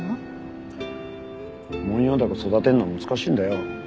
モンヨウダコを育てるのは難しいんだよ。